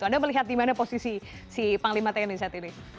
anda melihat di mana posisi si panglima tni saat ini